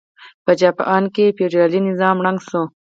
په جاپان کې فیوډالي نظام ړنګ شو.